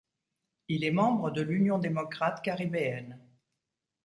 Il est membre de l'Union démocrate caribéenne.